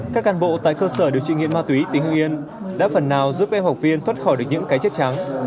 các can bộ tại cơ sở điều trị nghiện ma túy tỉnh hưng yên đã phần nào giúp em học viên thoát khỏi được những cái chất trắng